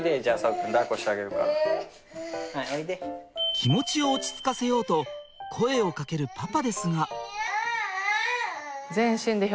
気持ちを落ち着かせようと声をかけるパパですが。